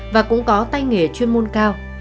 và cũng có tay nghề chuyên môn cao